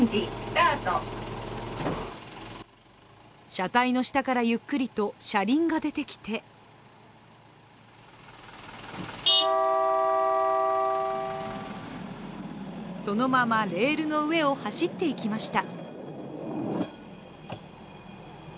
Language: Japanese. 車体の下からゆっくりと車輪が出てきてそのままレールの上を走っていきました。